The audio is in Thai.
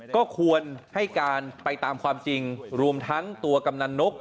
ก็ควรให้การไปตามความจริงรวมทั้งตัวกำนันนก